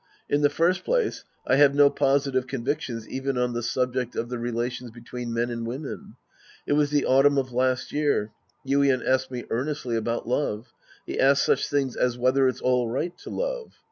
In the first place, I have no positive convictions even on the subject of the relations be tween men and women. It was the autumn of last year. Yuien asked me earnestly about love. He asked such things as whether it's all right to love.